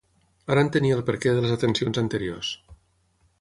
Ara entenia el perquè de les atencions anteriors.